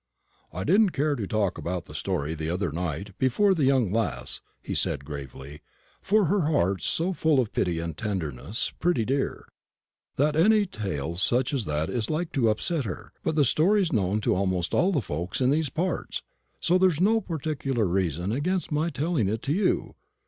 "I didn't care to talk about the story the other night before the young lass," he said, gravely; "for her heart's so full of pity and tenderness, pretty dear, that any tale such as that is like to upset her. But the story's known to almost all the folks in these parts; so there's no particular reason against my telling it to you.